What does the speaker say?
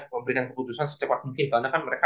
memberikan keputusan secepat mungkin karena kan mereka